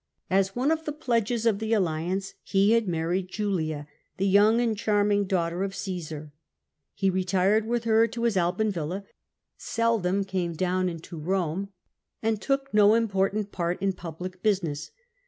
As one of the pledges of the alliance, he had married Julia, the young and charming daughter of Caesar. He retired with her to his Alban villa, seldom came down into Eome, and took no important part in public business.